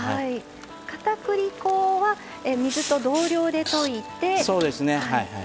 かたくり粉は水と同量で溶いて。